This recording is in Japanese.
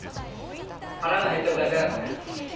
腹が減ってるだけだから。